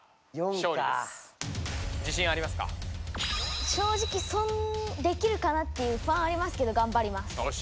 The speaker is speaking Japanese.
しょうじきできるかなっていう不安はありますけどがんばります。